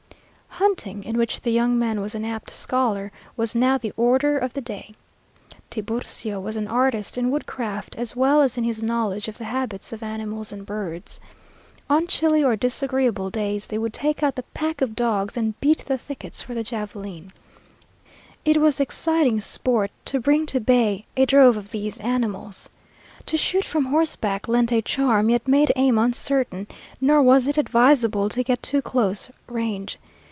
Hunting, in which the young man was an apt scholar, was now the order of the day. Tiburcio was an artist in woodcraft as well as in his knowledge of the habits of animals and birds. On chilly or disagreeable days they would take out the pack of dogs and beat the thickets for the javeline. It was exciting sport to bring to bay a drove of these animals. To shoot from horseback lent a charm, yet made aim uncertain, nor was it advisable to get too close range.